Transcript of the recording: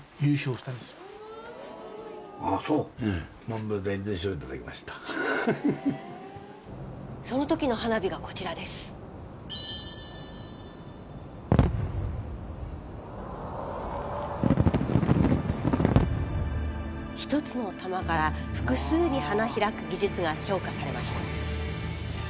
スタジオ１つの玉から複数に花開く技術が評価されました。